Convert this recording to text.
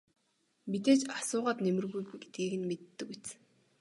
Мэдээж асуугаад нэмэргүй гэдгийг нь мэддэг биз.